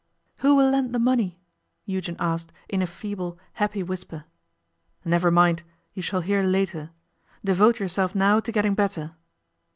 'Who will lend the money?' Eugen asked in a feeble, happy whisper. 'Never mind. You shall hear later. Devote yourself now to getting better.